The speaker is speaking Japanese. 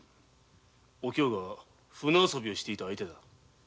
お京が船遊びをしていた相手だ。